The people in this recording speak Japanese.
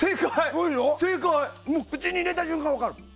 口に入れた瞬間分かる。